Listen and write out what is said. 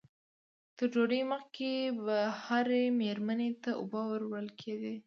تر ډوډۍ مخکې به هرې مېرمنې ته اوبه ور وړل کېدې.